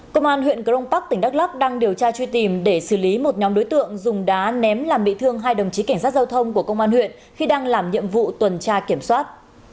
công an huyện crong park tỉnh đắk lắc đang điều tra truy tìm để xử lý một nhóm đối tượng dùng đá ném làm bị thương hai đồng chí cảnh sát giao thông của công an huyện khi đang làm nhiệm vụ tuần tra kiểm soát